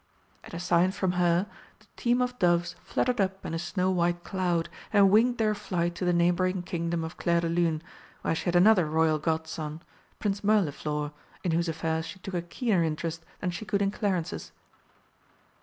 At a sign from her, the team of doves fluttered up in a snow white cloud and winged their flight to the neighbouring Kingdom of Clairdelune, where she had another Royal Godson, Prince Mirliflor, in whose affairs she took a keener interest than she could in Clarence's.